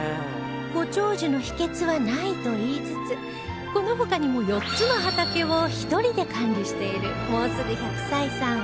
ご長寿の秘訣はないと言いつつこの他にも４つの畑を１人で管理しているもうすぐ１００歳さん